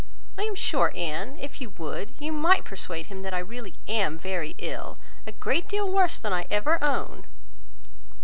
I am sure, Anne, if you would, you might persuade him that I really am very ill—a great deal worse than I ever own."